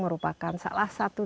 merupakan salah satu